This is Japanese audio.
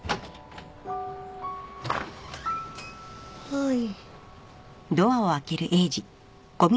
はい